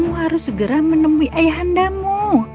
kamu harus segera menemui ayahandamu